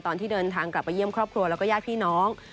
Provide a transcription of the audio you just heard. ตอนที่เดินทางกลับไปเยี่ยมครอบครัวแล้วก็ญาติพี่น้อง